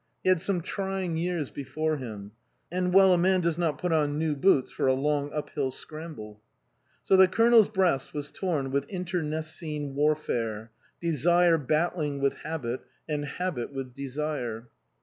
He had some trying years before him ; and well, a man does not put on new boots for a long uphill scramble. So the Colonel's breast was torn with inter necine warfare, desire battling with habit, and habit with desire.